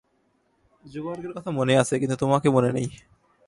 জোবার্গের কথা মনে আছে, কিন্তু তোমাকে মনে নেই।